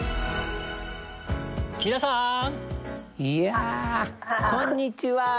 いやこんにちは！